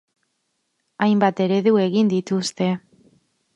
Hainbat eredu egin dituzte.